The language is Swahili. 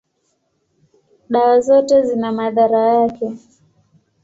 dawa zote zina madhara yake.